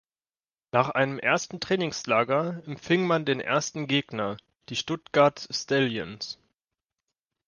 Nach einem ersten Trainingslager empfing man den ersten Gegner, die „Stuttgart Stallions“.